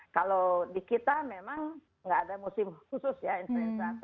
kalau di kita memang nggak ada musim khusus ya influenza